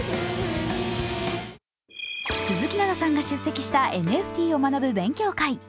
鈴木奈々さんが出席したＮＦＴを学ぶ勉強会。